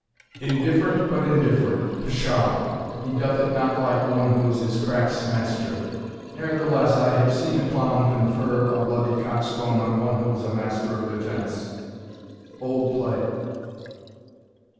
Indifferent, but indifferent pshaw, he doth it not Like one who is his craft's master ne'er the less I have seen a clown confer a bloody coxcomb On one who was a master of defence. OLD PLAY.